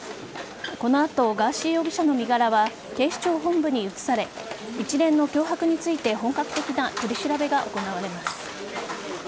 この後、ガーシー容疑者の身柄は警視庁本部に移され一連の脅迫について本格的な取り調べが行われます。